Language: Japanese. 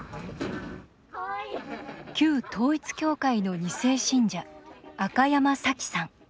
旧統一教会の２世信者赤山さきさん。